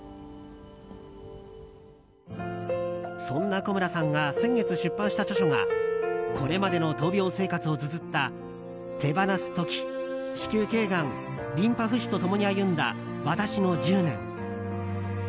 そんな古村さんが先月出版した著書がこれまでの闘病生活をつづった「手放す瞬間子宮頸がん、リンパ浮腫と共に歩んだ私の１０年」。